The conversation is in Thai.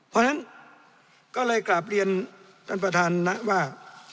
เพราะฉะนั้นก็เลยกลับเรียนท่านประธานนะว่า